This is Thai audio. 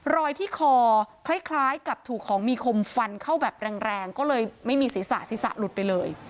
รอยที่คอคล้ายกับถูกของมีคมฟันเข้าแบบแรงก็เลยไม่มีศีรษะศีรษะหลุดไปเลย